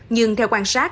nhưng theo quan sát